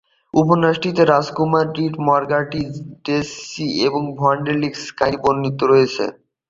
উপন্যাসটিতে রাজকুমারী Margarita "Daisy" ভ্যালেনস্কির কাহিনী বর্ণিত হয়েছে।